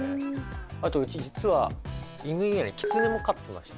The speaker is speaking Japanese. あとうち実は犬以外にキツネも飼ってまして。